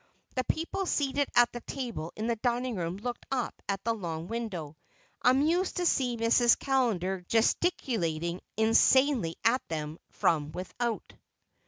The people seated at the table in the dining room looked up at the long window, amazed to see Mrs. Callender gesticulating insanely at them from without.